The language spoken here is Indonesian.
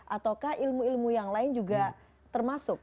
ataukah ilmu ilmu yang lain juga termasuk